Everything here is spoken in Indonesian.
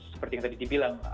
seperti yang tadi dibilang